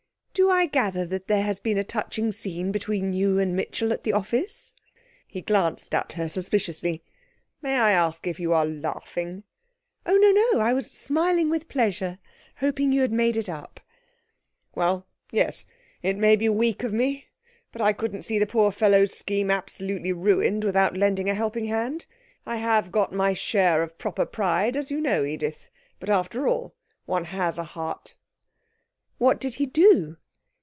'Do I gather that there has been a touching scene between you and Mitchell at the office?' He glanced at her suspiciously. 'May I ask if you are laughing?' 'Oh, no, no! I was smiling with pleasure, hoping you had made it up.' 'Well, yes, it may be weak of me, but I couldn't see the poor fellow's scheme absolutely ruined without lending a helping hand. I have got my share of proper pride, as you know, Edith, but, after all, one has a heart.' 'What did he do?'